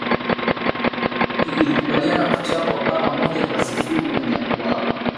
ugiriki ilikubalia kuchapwa bao moja kwa sifuri uwanjani kwao